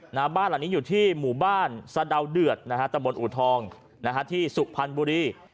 หน้าบ้านหลังนี้อยู่ที่หมู่บ้านสะดาวเดือดนะฮะตะบนอูทองนะฮะที่สุพรรณบุรี